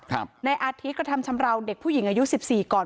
นายอาทิตย์กระทำชำราวเด็กผู้หญิงอายุสิบสี่ก่อน